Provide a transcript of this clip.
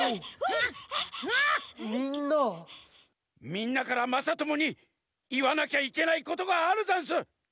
みんなからまさともにいわなきゃいけないことがあるざんす。